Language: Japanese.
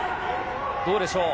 どうでしょう。